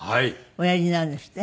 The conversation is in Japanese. おやりになるんですって？